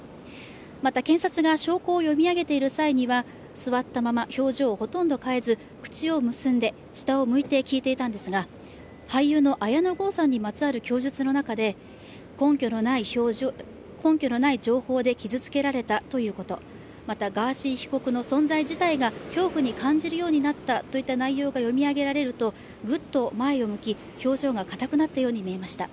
また、検察が証拠を読み上げている際には座ったまま、表情をほとんど変えず、口を結んで、下を向いて聞いていたんですが俳優の綾野剛さんにまつわる供述の中で根拠のない情報で傷つけられたということ、また、ガーシー被告の存在自体が恐怖に感じるようになったといった内容が読み上げられると、ぐっと前を向き表情がかたくなったように感じました。